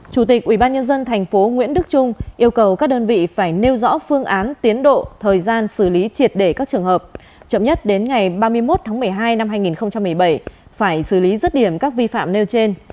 chủ tịch ubnd tp nguyễn đức trung yêu cầu các đơn vị phải nêu rõ phương án tiến độ thời gian xử lý triệt để các trường hợp chậm nhất đến ngày ba mươi một tháng một mươi hai năm hai nghìn một mươi bảy phải xử lý rứt điểm các vi phạm nêu trên